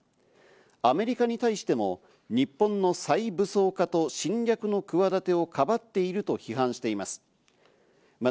アメリカに対しても、日本の再武装化と侵略の企てをかばっていると批判しています。